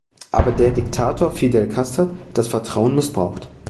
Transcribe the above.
Aber der Diktator Fidel Casthat das Vertrauen missbraucht!